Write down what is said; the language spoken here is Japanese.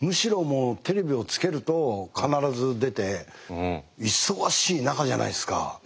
むしろもうテレビをつけると必ず出て忙しい中じゃないですか。